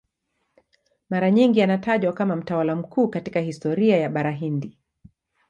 Mara nyingi anatajwa kama mtawala mkuu katika historia ya Bara Hindi.